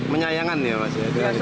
menyayangkan ya mas